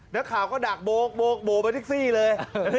แล้วข่าก็ดักโบ๊คโบ๊คโบ๊คแบรนด์ทิกซี่เลย